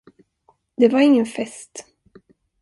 Det var ingen fest!